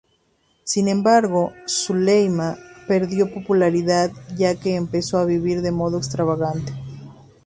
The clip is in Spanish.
Sin embargo Süleyman perdió popularidad, ya que empezó a vivir de modo extravagante.